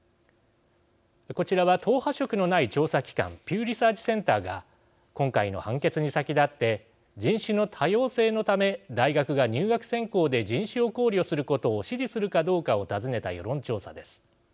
こちらは党派色のない調査機関ピューリサーチセンターが今回の判決に先立って人種の多様性のため大学が入学選考で人種を考慮することを支持するかどうかを尋ねた世論調査です。